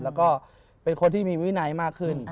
แล้วก็เป็นคนที่มีวินัยมากขึ้น